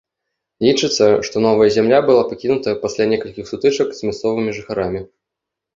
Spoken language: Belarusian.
Лічыцца, што новая зямля была пакінута пасля некалькіх сутычак з мясцовымі жыхарамі.